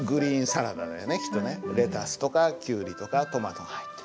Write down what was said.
レタスとかきゅうりとかトマトが入ってる。